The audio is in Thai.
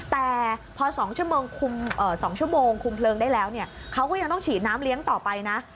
แต่พอ๒ชั่วโมง๒ชั่วโมงคุมเพลิงได้แล้วเนี่ยเขาก็ยังต้องฉีดน้ำเลี้ยงต่อไปนะ